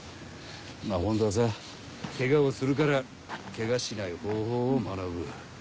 まぁ本当はさケガをするからケガしない方法を学ぶ。